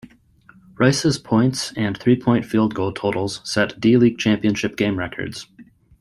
Rice's points and three-point field goal totals set D-League championship game records.